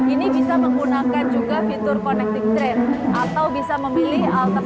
ini bisa menggunakan juga visi